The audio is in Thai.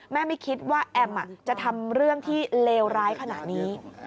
ไม่คิดว่าแอมจะทำเรื่องที่เลวร้ายขนาดนี้